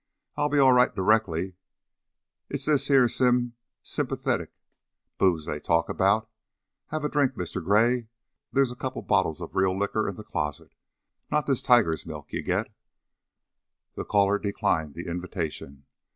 "I'll be all right directly. It's this here sim sympathetic booze they talk about. Have a drink, Mr. Gray? There's a coupla bottles of real liquor in the closet not this tiger's milk you get " The caller declined the invitation.